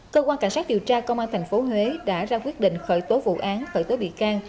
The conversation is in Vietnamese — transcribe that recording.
cơ quan cảnh sát điều tra công an tp huế đã ra quyết định khởi tố vụ án khởi tố bị can